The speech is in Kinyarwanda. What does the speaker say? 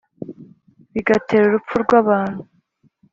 bigatera urupfu rw abantu